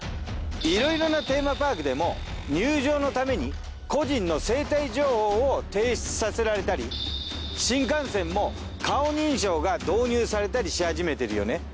いろいろなテーマパークでも入場のために個人の生体情報を提出させられたり新幹線も顔認証が導入されたりし始めてるよね。